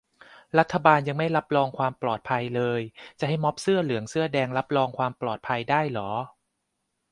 รัฐบาลยังไม่รับรองความปลอดภัยเลย จะให้ม็อบเสื้อเหลืองเสื้อแดงรับรองความปลอดภัยได้เหรอ